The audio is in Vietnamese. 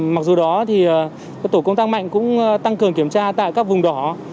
mặc dù đó thì tổ công tác mạnh cũng tăng cường kiểm tra tại các vùng đỏ